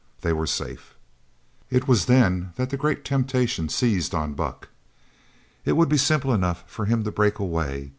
They were safe! It was then that the great temptation seized on Buck. It would be simple enough for him to break away.